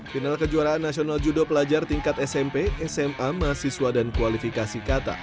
final kejuaraan nasional judo pelajar tingkat smp sma mahasiswa dan kualifikasi kata